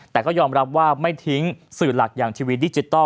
แต่ก็ยอมรับว่าไม่ทิ้งสื่อหลักอย่างทีวีดิจิทัล